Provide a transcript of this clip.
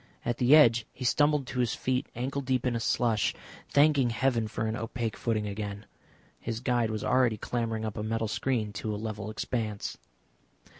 At the edge he stumbled to his feet ankle deep in slush, thanking heaven for an opaque footing again. His guide was already clambering up a metal screen to a level expanse.